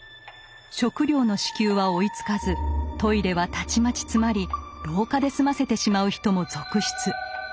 食料の支給は追いつかずトイレはたちまち詰まり廊下で済ませてしまう人も続出。